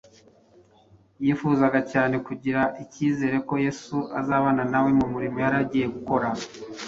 Yifuzaga cyane kugira icyizere ko Yesu azabana na we mu murimo yari agiye gukora.